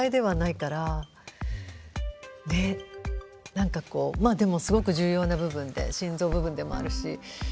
何かこうでもすごく重要な部分で心臓部分でもあるし。